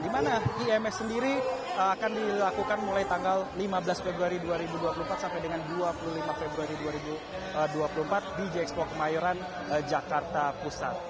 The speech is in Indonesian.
di mana ims sendiri akan dilakukan mulai tanggal lima belas februari dua ribu dua puluh empat sampai dengan dua puluh lima februari dua ribu dua puluh empat di gxpo kemayoran jakarta pusat